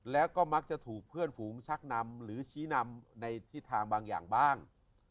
แล้วก็มักจะถูกเพื่อนฝูงชักนำหรือชี้นำในทิศทางบางอย่างบ้าง